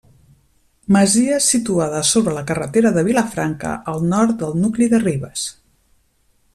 Masia situada sobre la carretera de Vilafranca, al nord del nucli de Ribes.